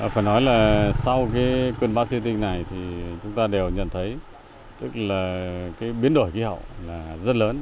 phải nói là sau cơn bão siêu tinh này thì chúng ta đều nhận thấy biến đổi khí hậu rất lớn